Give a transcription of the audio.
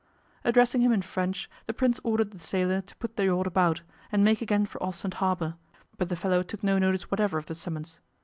Addressing him in French, the Prince ordered the sailor to put the yacht about, and make again for Ostend Harbour, but the fellow took no notice whatever of the summons.